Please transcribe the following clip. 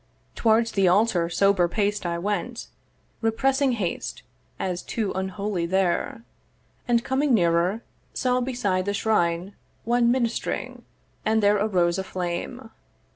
Towards the altar sober paced I went, Repressing haste, as too unholy there; And, coming nearer, saw beside the shrine One minist'ring; and there arose a flame.